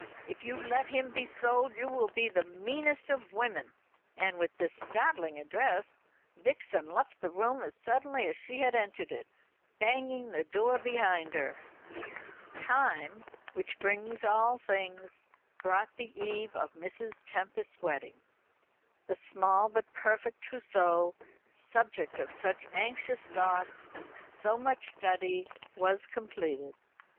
If you let him be sold, you will be the meanest of women." And with this startling address Vixen left the room as suddenly as she had entered it, banging the door behind her. Time, which brings all things, brought the eve of Mrs. Tempest's wedding. The small but perfect trousseau, subject of such anxious thoughts, so much study, was completed.